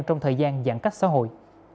trong thời gian giãn cách xã hội